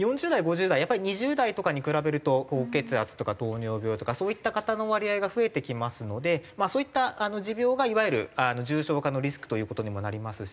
やっぱり２０代とかに比べると高血圧とか糖尿病とかそういった方の割合が増えてきますのでそういった持病がいわゆる重症化のリスクという事にもなりますし。